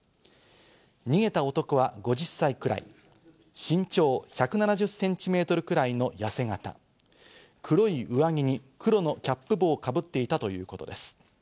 逃げた男は５０歳くらい、身長１７０センチメートルくらいのやせ形、黒い上着に黒のキャップ帽をかぶっていたということです。